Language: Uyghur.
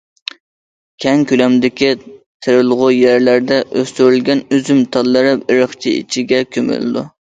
كەڭ كۆلەمدىكى تېرىلغۇ يەرلەردە ئۆستۈرۈلگەن ئۈزۈم تاللىرى ئېرىقچە ئىچىگە كۆمۈلىدۇ.